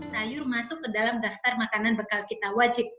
sayur masuk ke dalam daftar makanan bekal kita wajib